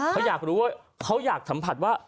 เขาอยากรู้ว่าเขาอยากสัมผัสว่า